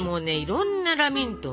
いろんなラミントン